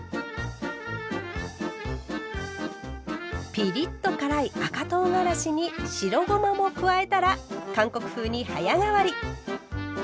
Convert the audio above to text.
ピリッと辛い赤とうがらしに白ごまも加えたら韓国風に早変わり。